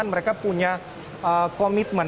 mereka punya komitmen